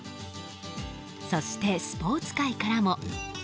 そしてスポーツ界からも。